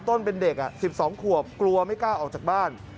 ต้นเป็นเด็ก๑๒ขวบกลัวไม่กล้าออกจากบ้าน